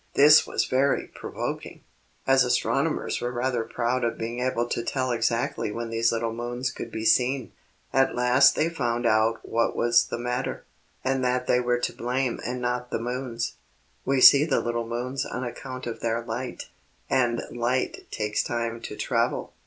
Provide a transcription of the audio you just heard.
This was very provoking, as astronomers were rather proud of being able to tell exactly when these little moons could be seen. At last they found out what was the matter, and that they were to blame and not the moons. We see the little moons on account of their light, and light takes time to travel.